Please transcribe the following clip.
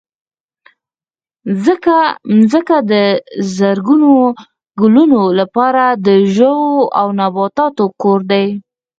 مځکه د زرګونو کلونو لپاره د ژوو او نباتاتو کور دی.